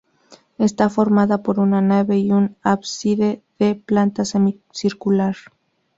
Está formada por una nave y un ábside de planta semicircular.